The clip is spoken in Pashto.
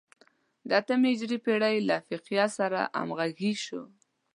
د اتمې هجري پېړۍ له فقیه سره همغږي شو.